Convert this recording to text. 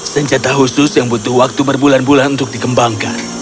senjata khusus yang butuh waktu berbulan bulan untuk dikembangkan